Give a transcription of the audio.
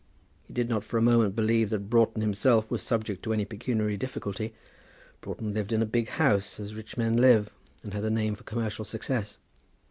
He did not for a moment believe that Broughton himself was subject to any pecuniary difficulty. Broughton lived in a big house, as rich men live, and had a name for commercial success.